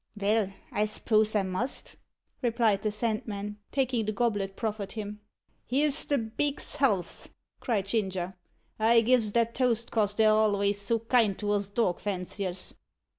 "Vell, I s'pose I must," replied the Sandman, taking the goblet proffered him. "Here's the beaks' healths!" cried Ginger. "I gives that toast 'cos they're alvays so kind to us dog fanciers."